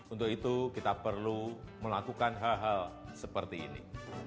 untuk itu kita perlu melakukan hal hal seperti ini